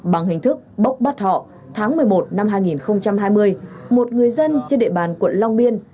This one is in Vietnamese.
bằng hình thức bốc bắt họ tháng một mươi một năm hai nghìn hai mươi một người dân trên địa bàn quận long biên